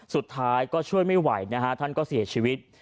สุดท้ายก็ช่วยไม่ไหวนะฮะท่านก็เสียชีวิต